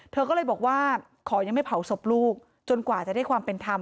เธอก็เลยบอกว่าขอยังไม่เผาศพลูกจนกว่าจะได้ความเป็นธรรม